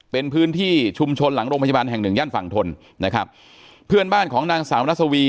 เป็นพื้นที่ชุมชนหลังโรงพยาบาลแห่งหนึ่งย่านฝั่งทนนะครับเพื่อนบ้านของนางสาวนัสวี